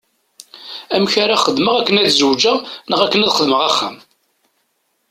Amek ara xedmeɣ akken ad zewǧeɣ neɣ akken ad xedmeɣ axxam?